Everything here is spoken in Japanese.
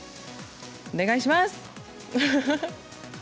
お願いします。